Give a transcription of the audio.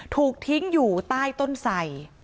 ถูกทิ้งอยู่ใต้ต้นไส